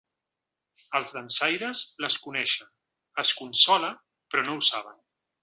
Els dansaires les coneixen, es consola, però no ho saben.